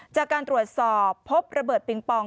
จากการตรวจสอบพบระเบิดปิงปอง